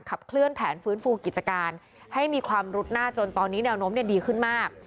ขับเคลื่อนแผนฟื้นฟูกิจการให้มีความรุดหน้าจนตอนนี้แนวโน้มดีขึ้นมาก